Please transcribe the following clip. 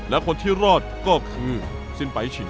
และคนที่รอดก็คือสิ้นไปชิม